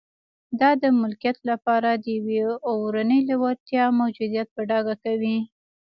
دا د ملکیت لپاره د یوې اورنۍ لېوالتیا موجودیت په ډاګه کوي